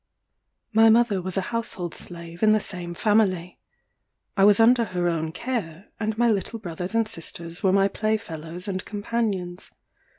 My mother was a household slave in the same family. I was under her own care, and my little brothers and sisters were my play fellows and companions.